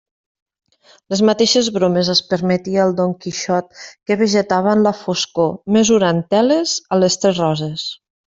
Les mateixes bromes es permetia el Don Quixot que vegetava en la foscor, mesurant teles a Les Tres Roses.